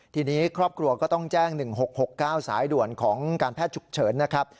ทีนี้ครอบครัวก็ต้องแจ้ง๑๖๖๙สายด่วนของการแพทย์ฉุกเฉินนะครับ